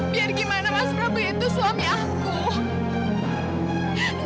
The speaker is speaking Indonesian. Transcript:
biar gimana mas prabu itu suami aku